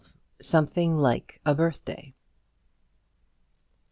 SOMETHING LIKE A BIRTHDAY.